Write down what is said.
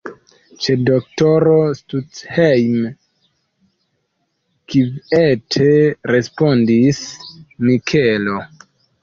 Ĉe doktoro Stuthejm, kviete respondis Mikelo.